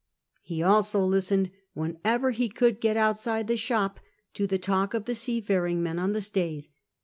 He also listened, whenever ho could get outside tlic shoj), to tlie talk of the seafaring men on the Staithe.